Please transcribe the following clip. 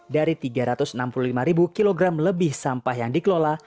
dari tiga ratus enam puluh lima kg lebih sampah yang dikelola